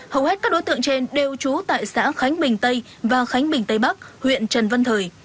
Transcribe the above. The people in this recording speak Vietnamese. hầu hết các đối tượng trên đều trú tại xã khánh bình tây và khánh bình tây bắc huyện trần văn thời